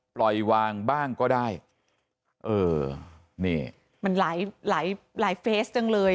ปล่อยวางบ้างก็ได้เออนี่มันหลายหลายเฟสจังเลย